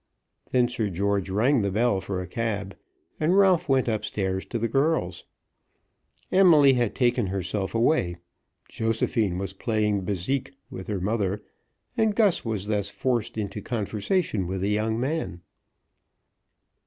Then Sir George rang the bell for a cab, and Ralph went up stairs to the girls. Emily had taken herself away; Josephine was playing bésique with her mother, and Gus was thus forced into conversation with the young man.